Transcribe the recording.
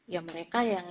ya mereka yang